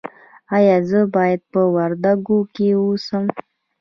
ایا زه باید په وردګو کې اوسم؟